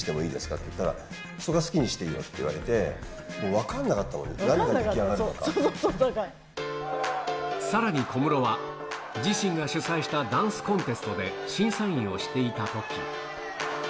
って言ったら、それは好きにしていいよって言われて、分かんなかった、さらに小室は、自身が主催したダンスコンテストで審査員をしていたとき。